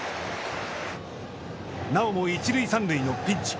なおも一塁三塁のピンチ。